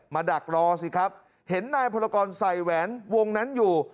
ดักรอสิครับเห็นนายพลกรใส่แหวนวงนั้นอยู่